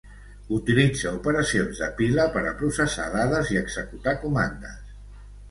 Utilitza operacions de pila per a processar dades i executar comandes.